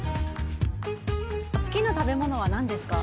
好きな食べ物は何ですか？